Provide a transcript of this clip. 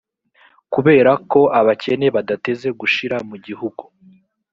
kubera ko abakene badateze gushira mu gihugu,